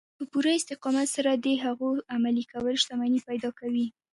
په پوره استقامت سره د هغو عملي کول شتمني پيدا کوي.